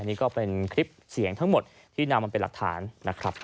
นี่ก็เป็นคลิปเสียงทั้งหมดที่นำมาเป็นหลักฐานนะครับ